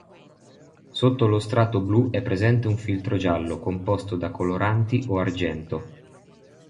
Sotto lo strato blu è presente un filtro giallo, composto da coloranti o argento.